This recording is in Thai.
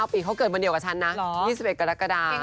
ปีเขาเกิดวันเดียวกับฉันนะ๒๑กรกฎา